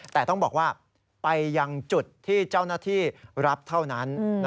แต่ต้องบอกว่าไปยังจุดที่เจ้าหน้าที่รับเท่านั้น